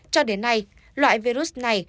cho đến nay loại virus này